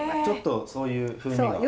ちょっとそういう風味が。